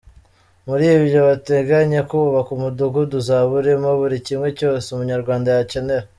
Muri ibyo, bateganya kubaka umudugudu uzaba urimo buri kimwe cyose umunyarwanda yakenera.